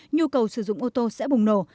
nhu cầu sử dụng ô tô sẽ bùng nổ